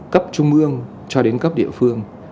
cấp trung ương cho đến cấp địa phương